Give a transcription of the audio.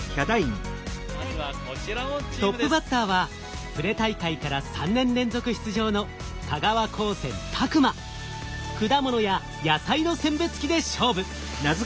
トップバッターはプレ大会から３年連続出場の果物や野菜の選別機で勝負。